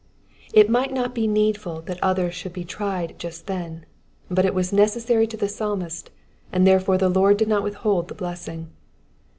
It might not be needful that others should be tried just then ; but it was necessary to the Psalmist, and therefore the Lord did not withhold the blessing.